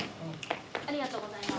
ありがとうございます。